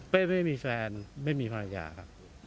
ไม่มีแฟนไม่มีภรรยาครับ